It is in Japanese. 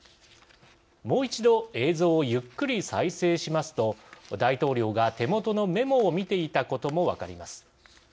もう一度映像をゆっくり再生しますと大統領が手元のメモを見ていたことも分かります。